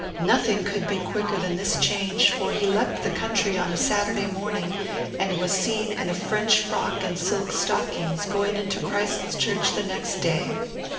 Nothing could be quicker than this change, for he left the country on a Saturday morning, and was seen in a French frock and silk stockings, going into Christ's Church the next day.